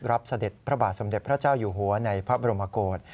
เสด็จพระบาทสมเด็จพระเจ้าอยู่หัวในพระบรมกฏ